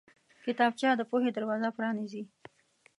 کتابچه د پوهې دروازه پرانیزي